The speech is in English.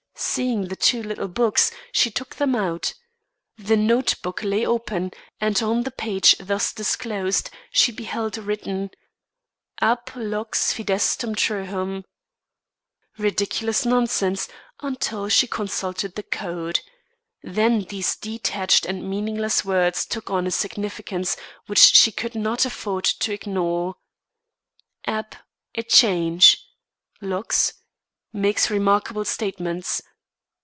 Seeing the two little books, she took them out. The note book lay open and on the page thus disclosed, she beheld written: Ap Lox Fidestum Truhum Ridiculous nonsense until she consulted the code. Then these detached and meaningless words took on a significance which she could not afford to ignore: Ap A change. Lox Makes remarkable statements.